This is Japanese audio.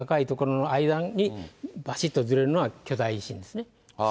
グリーンと赤い所の間に、ばしっとずれるのが巨大地震ですね。